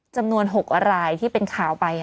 จำนวน๖รายที่เป็นข่าวไป